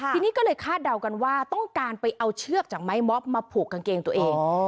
ทีนี้ก็เลยคาดเดากันว่าต้องการไปเอาเชือกจากไม้ม็อบมาผูกกางเกงตัวเอง